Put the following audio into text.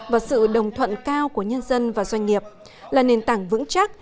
và sự đồng thuận cao của nhân dân và doanh nghiệp là nền tảng vững chắc